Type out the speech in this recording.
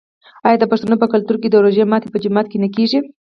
آیا د پښتنو په کلتور کې د روژې ماتی په جومات کې نه کیږي؟